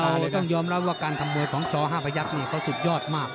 เลยต้องยอมรับว่าการทำมวยของช๕พยักษ์นี่เขาสุดยอดมาก